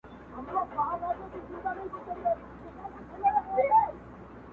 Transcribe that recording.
په جرس د ابادۍ د قافیلو به راویښ نه سم,